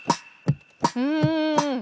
うん。